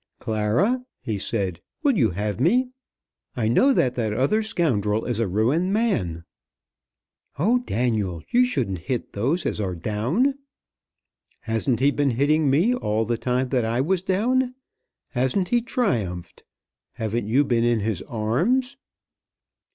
"Clara," he said, "will you have me? I know that that other scoundrel is a ruined man." "Oh, Daniel, you shouldn't hit those as are down." "Hasn't he been hitting me all the time that I was down? Hasn't he triumphed? Haven't you been in his arms?"